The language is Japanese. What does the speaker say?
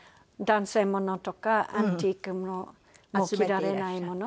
男性ものとかアンティークものもう着られないもの。